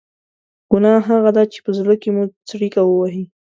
ګناه هغه ده چې په زړه کې مو څړیکه ووهي.